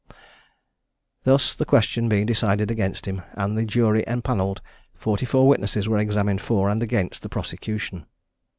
Thus the question being decided against him and the jury empanelled, forty four witnesses were examined for and against the prosecution.